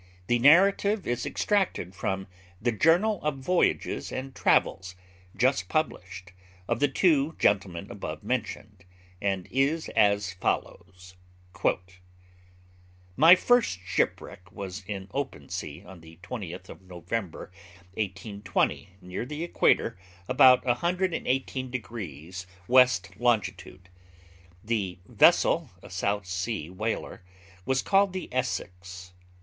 The narrative is extracted from The Journal of Voyages and Travels, just published, of the two gentlemen above mentioned, and is as follows: 'My first shipwreck was in open sea, on the 20th of November, 1820, near the equator, about 118 degrees W. long. The vessel, a South Sea whaler, was called the Essex.